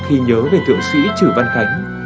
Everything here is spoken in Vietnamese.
khi nhớ về thượng sĩ trừ văn khánh